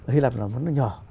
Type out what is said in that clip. hy lạp là một nơi nhỏ